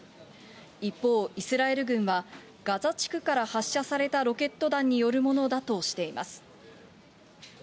一方、イスラエル軍は、ガザ地区から発射されたロケット弾によるものだとしています。